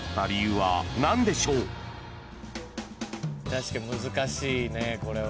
確かに難しいねこれは。